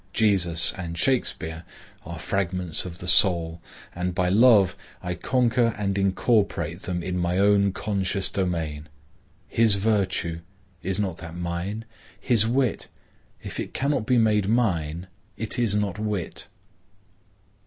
Jesus and Shakspeare are fragments of the soul, and by love I conquer and incorporate them in my own conscious domain. His virtue,—is not that mine? His wit,—if it cannot be made mine, it is not wit.